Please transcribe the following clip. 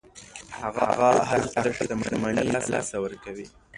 هغه هلته خپله شتمني له لاسه ورکوي.